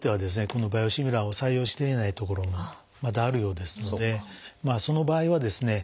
このバイオシミラーを採用していない所もまだあるようですのでその場合はですね